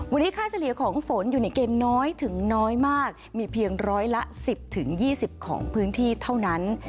วันนี้ค่าเฉลี่ยของฝนอยู่ในเกณฑ์น้อยถึงน้อยมากมีเพียงร้อยละ๑๐๒๐ของพื้นที่เท่านั้น